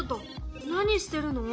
何してるの？